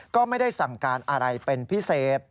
ก็ไม่ได้สั่งการอะไรเป็นพิเศษ